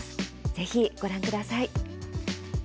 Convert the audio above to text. ぜひ、ご覧ください。